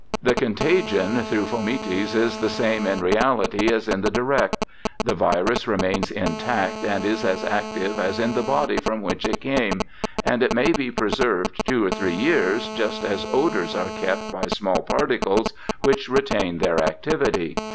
The contagion through fomites is the same in reahty as in the direct ; the virus remains intact and is as active as in the body from which it came, and it may be preserved two or three years just as odours are kept by small particles which retain their activity.